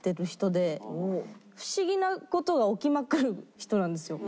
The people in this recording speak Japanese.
フシギな事が起きまくる人なんですよ。